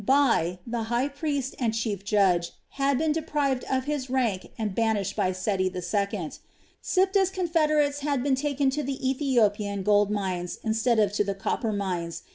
Bai, the high priest and chief judge, had been deprived of his rank and banished by Seti II. Siptah's confederates had been taken to the Ethiopian gold mines instead of to the copper mines.